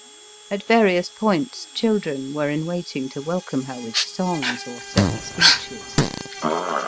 At various points, children were in waiting to welcome her with songs or set speeches.